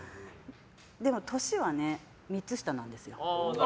でも年は３つ下なんですよ。